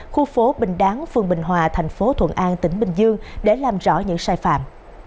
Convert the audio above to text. khu phố bình đáng phường bình hòa thành phố thuận an tỉnh bình dương để làm rõ những sai phạm